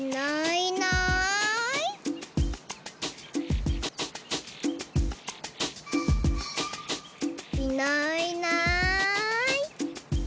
いないいない。